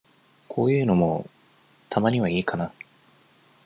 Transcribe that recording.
こういうのも、たまにはいいかな。